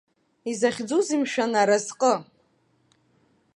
Изахьӡузеи мшәан аразҟы?